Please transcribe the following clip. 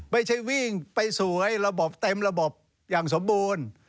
ไม่ใช่วิ่งไปสวยระบบเต็มระบบอย่างสมบูรณ์